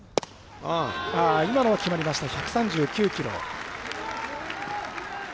今のは決まりました、１３９キロ。